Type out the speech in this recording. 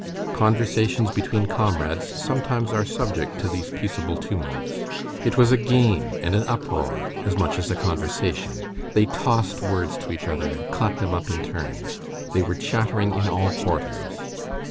Conversations between comrades sometimes are subject to these peaceable tumults. It was a game and an uproar as much as a conversation. They tossed words to each other and caught them up in turn. They were chattering in all quarters.